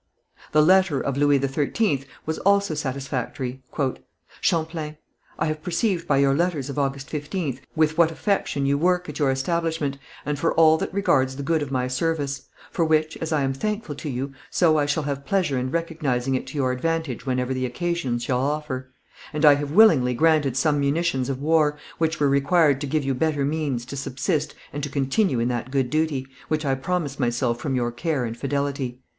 The letter of Louis XIII was also satisfactory: "Champlain: I have perceived by your letters of August 15th, with what affection you work at your establishment, and for all that regards the good of my service: for which, as I am thankful to you, so I shall have pleasure in recognizing it to your advantage whenever the occasion shall offer: and I have willingly granted some munitions of war, which were required to give you better means to subsist and to continue in that good duty, which I promise myself from your care and fidelity."